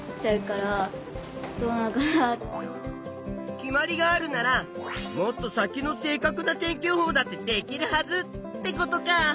決まりがあるならもっと先の正かくな天気予報だってできるはずってことか。